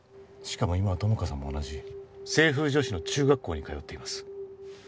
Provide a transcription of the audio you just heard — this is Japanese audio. しかも今は友果さんも同じ清風女子の中学校に通っています